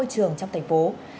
trường trong thành phố